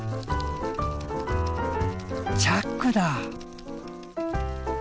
チャックだ。